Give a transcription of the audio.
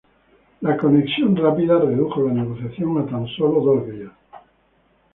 La Conexión Rápida redujo la negociación a tan solo dos vías.